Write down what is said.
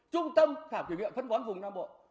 trung tâm khảo kiểm nghiệm phân bón vùng nam bộ